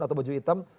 atau baju hitam